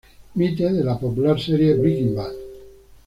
Mitte de la popular serie Breaking Bad.